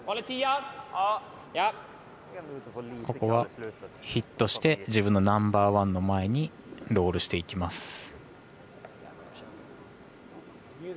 ここはヒットして自分のナンバーワンの前にロールしていきます。